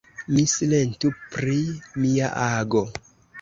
Mi silentu pri mia ago.